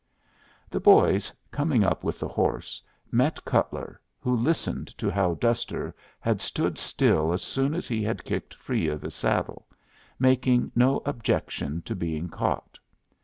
The boys, coming up with the horse, met Cutler, who listened to how Duster had stood still as soon as he had kicked free of his saddle, making no objection to being caught.